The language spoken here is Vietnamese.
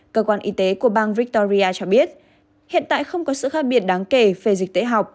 cơ quan y tế của bang victoria cho biết hiện tại không có sự khác biệt đáng kể về dịch tễ học